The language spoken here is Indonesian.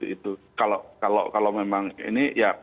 itu kalau memang ini ya